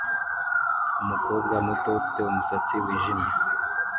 Umukobwa muto ufite umusatsi wijimye